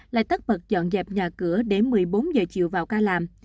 lại tất bật dọn dẹp nhà cửa để một mươi bốn giờ chiều vào ca làm